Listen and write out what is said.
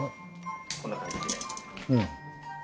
こんな感じで。